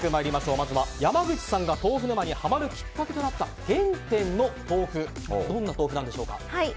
まずは山口さんが豆腐沼にハマるきっかけとなった原点の豆腐はどんな豆腐でしょうか。